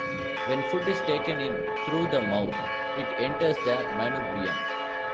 When food is taken in through the mouth, it enters the manubrium.